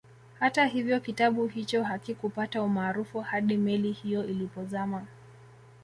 Hata hivyo kitabu hicho hakikupata umaarufu hadi meli hiyo ilipozama